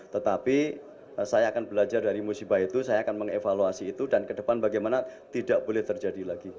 tetapi saya akan belajar dari musibah itu saya akan mengevaluasi itu dan ke depan bagaimana tidak boleh terjadi lagi